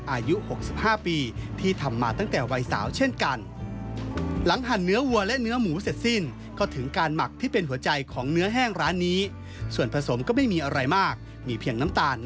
อายุ๖๕ปีที่ทำมาตั้งแต่วัยสาวเช่นกัน